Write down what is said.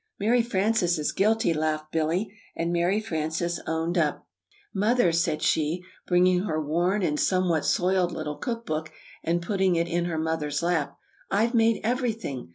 "Mary Frances is guilty," laughed Billy; and Mary Frances "owned up." "Mother," said she, bringing her worn and somewhat soiled little cook book and putting it in her Mother's lap, "I've made everything!